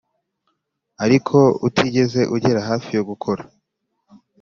ariko utigeze ugera hafi yo gukora?